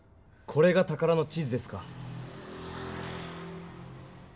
これが宝の地図ですか。